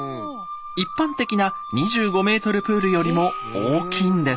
一般的な２５ｍプールよりも大きいんです。